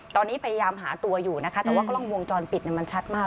ตอนนี้พยายามหาตัวอยู่นะคะแต่ว่ากล้องวงจรปิดมันชัดมาก